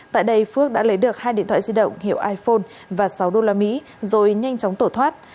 tại đây phước đã lấy được hai điện thoại di động hiệu iphone và sáu đô la mỹ rồi nhanh chóng tổ thoát